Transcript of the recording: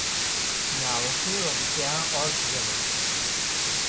Now he was gone altogether.